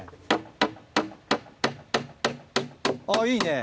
あぁいいね。